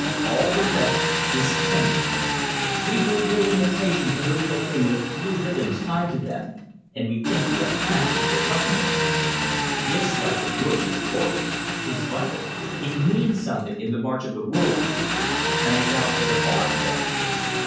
All the rest is tame. We do little imitations of the real thing with blue ribbons tied to them, and think we are camping or roughing it. This life of yours is glorious, is vital, it means something in the march of the world; and I doubt whether ours does.